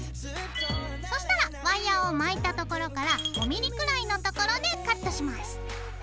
そしたらワイヤーを巻いた所から５ｍｍくらいの所でカットします。